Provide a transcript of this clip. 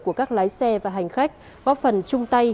của các lái xe và hành khách góp phần chung tay